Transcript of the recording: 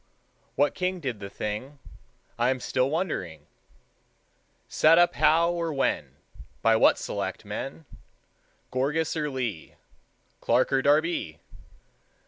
What king Did the thing, I am still wondering; Set up how or when, By what selectmen, Gourgas or Lee, Clark or Darby?